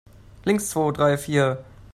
Links, zwo, drei, vier!